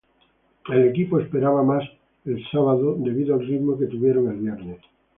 El equipo esperaba más el sábado debido al ritmo que tuvieron el viernes.